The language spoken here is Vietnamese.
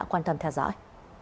quan tâm theo dõi